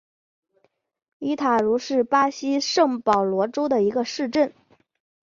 伊塔茹是巴西圣保罗州的一个市镇。